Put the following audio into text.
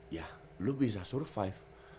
ya lu bisa survive